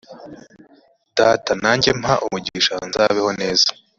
data nanjye mpa umugisha nzabeho neza